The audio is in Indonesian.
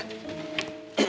kau gue setuju